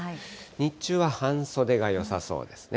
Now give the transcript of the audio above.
日中は半袖がよさそうですね。